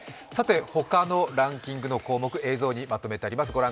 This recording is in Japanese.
ほかのランキングの項目、映像にまとめてあります。